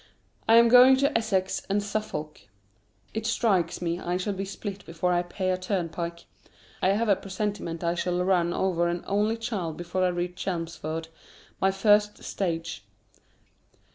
I am going into Essex and Suffolk. It strikes me I shall be spilt before I pay a turnpike. I have a presentiment I shall run over an only child before I reach Chelmsford, my first stage.